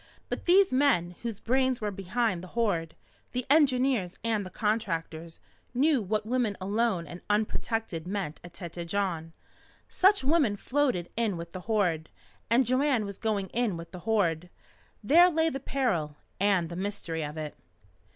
But these men whose brains were behind the Horde the engineers and the contractors knew what women alone and unprotected meant at Tête Jaune. Such women floated in with the Horde. And Joanne was going in with the Horde. There lay the peril and the mystery of it.